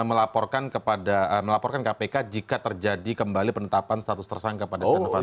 melaporkan kepada melaporkan kpk jika terjadi kembali penetapan status tersangka pada setia novanto